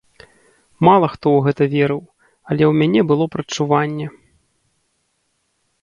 Мала хто ў гэта верыў, але ў мяне было прадчуванне.